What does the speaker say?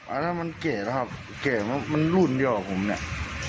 อันนั้นมันเก๋นะครับเกรดเพราะมันรุ่นเดียวกับผมเนี่ย